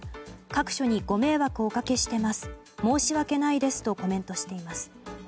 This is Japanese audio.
各所にご迷惑をおかけしています申し訳ないですとコメントしています。